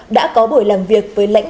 đã có buổi làm việc với lãnh đạo tp hcm